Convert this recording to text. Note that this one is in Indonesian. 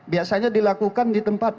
biasanya dilakukan di tempat